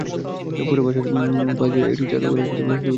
পরে বাসার পাশে একটি চা-দোকানের সামনে মাকসুদুরকে ছুরিকাঘাত করে পালিয়ে যায়।